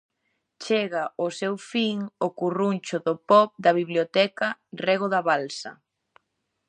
Chega ao seu fin o curruncho pop da biblioteca Rego da Balsa.